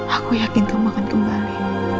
aku yakin kamu akan kembali